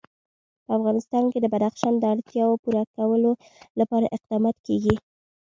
په افغانستان کې د بدخشان د اړتیاوو پوره کولو لپاره اقدامات کېږي.